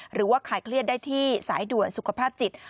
หรือว่าขายเครียดได้ที่สายด่วนสุขภาพจิต